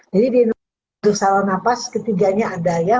jadi di dalam saluran nafas ketiganya ada ya